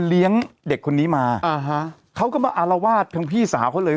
เลี้ยงเด็กคนนี้มาอ่าฮะเขาก็มาอารวาสทั้งพี่สาวเขาเลย